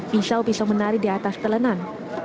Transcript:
pisau pisau menari di atas telenan